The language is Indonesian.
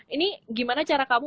ini gimana cara kamu